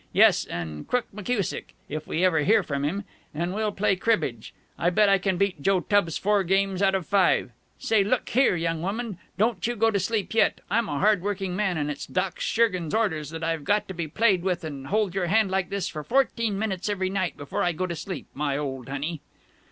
Yes, and Crook McKusick, if we ever hear from him! And we'll play cribbage. I bet I can beat Joe Tubbs four games out of five. Say, look here, young woman, don't you go to sleep yet. I'm a hard working man, and it's Doc Schergan's orders that I got to be played with and hold your hand like this for fourteen minutes every night, before I go to sleep.... My old honey!"